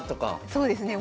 そうですね。